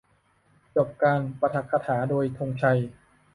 จบการปาฐกถาโดยธงชัย